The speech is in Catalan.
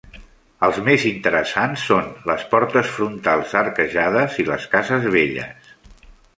Els més interessants són les portes frontals arquejades i les cases velles.